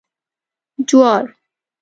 🌽 جوار